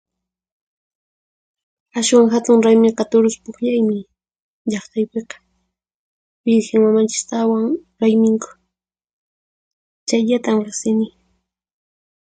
Ashwan hatun raymiqa turus pukllaymi llaqtaypiqa, wirhin mamanchistawan rayminku. Chayllatan riqsini.